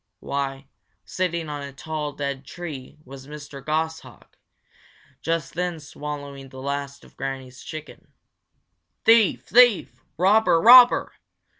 Why, sitting on a tall, dead tree was Mr. Goshawk, just then swallowing the last of Granny's chicken. "Thief! thief! robber! robber!"